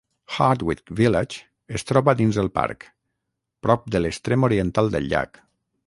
Hardwick Village es troba dins el parc, prop de l'extrem oriental del llac.